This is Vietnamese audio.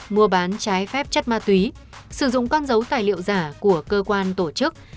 mua bán trái phép chất ma túy sử dụng con dấu tài liệu giả của cơ quan tổ chức